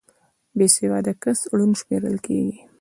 بې سواده کس ړوند شمېرل کېږي